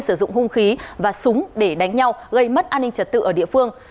sử dụng hung khí và súng để đánh nhau gây mất an ninh trật tự ở địa phương